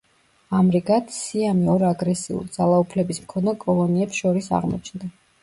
ამრიგად, სიამი ორ აგრესიულ, ძალაუფლების მქონე კოლონიებს შორის აღმოჩნდა.